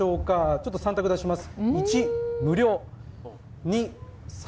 ちょっと３択出します。